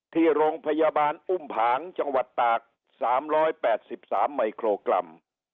ที่โรงพยาบาลอุ้มผางจังหวัดตาก๓๘๓มิโครกรัม